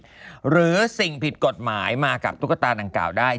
หรือสิ่งผิดกฎหมายมากับตุ๊กตาดังกล่าวได้